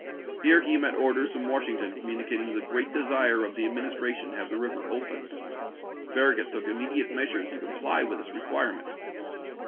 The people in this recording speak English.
Here he met orders from Washington communicating the great desire of the Administration to have the river opened. Farra gut took immediate measures to comply with this requirement.